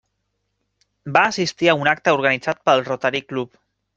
Va assistir a un acte organitzat pel Rotary Club.